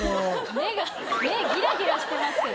目が目ギラギラしてますけど。